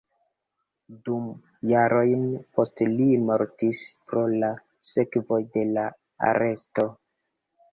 Du jarojn poste li mortis pro la sekvoj de la aresto.